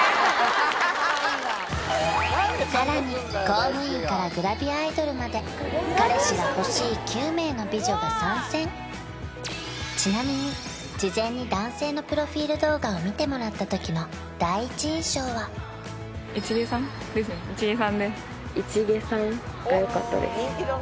さらに公務員からグラビアアイドルまで彼氏が欲しいちなみに事前に男性のプロフィール動画を見てもらった時の第一印象はがよかったです